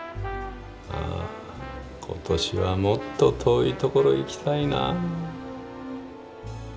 あ今年はもっと遠いところ行きたいな。